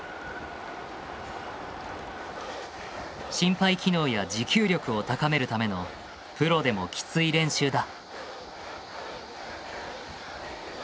心肺機能や持久力を高めるためのプロでもキツい練習だ。